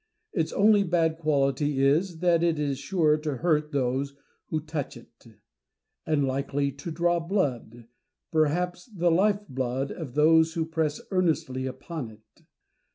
Its only bad quality is, that it is sure to hurt those who touch it; and likely to draw blood, perhaps the life blood, of those who press earnestly upon it.